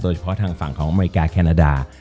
โดยเฉพาะทางฝั่งของอเมริกาแคนาดา